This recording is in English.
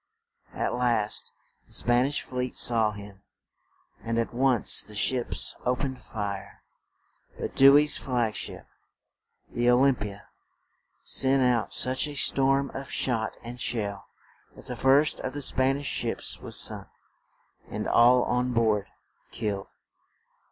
At last the Span ish fleet saw him, and at once the ships o pened fire; but Dew ey's flag ship, the "O lym pi a," sent out such a storm of shot and shell, that the first of the Span ish ships was sunk, and all on board killed.